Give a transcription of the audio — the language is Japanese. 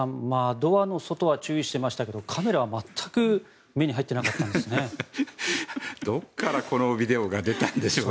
ドアの外は注意していましたがカメラは全く目に入ってなかったんですね。